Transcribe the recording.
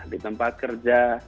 di tempat kerja